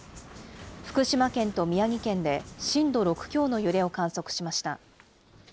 福島県と宮城県で震度６強の揺れを観測しました。